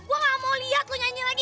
gue gak mau lihat lo nyanyi lagi